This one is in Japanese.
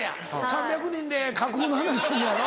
３００人で架空の話すんのやろ。